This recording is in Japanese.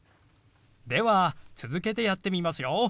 では続けてやってみますよ。